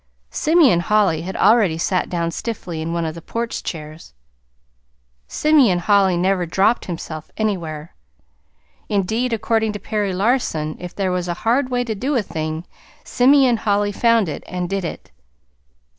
Simeon Holly had already sat down stiffly in one of the porch chairs. Simeon Holly never "dropped himself" anywhere. Indeed, according to Perry Larson, if there were a hard way to do a thing, Simeon Holly found it and did it.